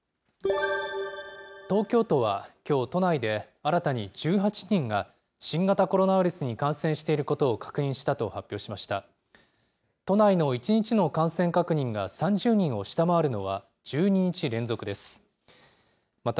東京都は、きょう都内で新たに１８人が新型コロナウイルスに感染していることを確認したと発表しました。